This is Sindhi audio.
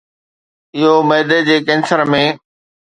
اهو معدي جي ڪينسر ۾